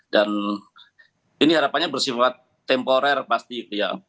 dan ini harapannya bersifat temporer pasti gitu ya